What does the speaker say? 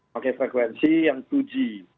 pakai frekuensi yang dua g